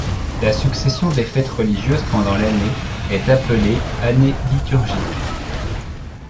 La succession des fêtes religieuses pendant l'année est appelée année liturgique.